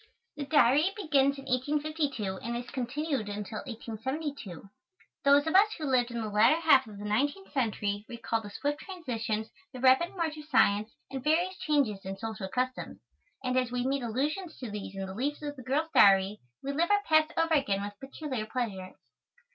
The Diary begins in 1852, and is continued until 1872. Those of us who lived in the latter half of the nineteenth century recall the swift transitions, the rapid march of science and various changes in social customs, and as we meet allusions to these in the leaves of the girl's Diary we live our past over again with peculiar pleasure.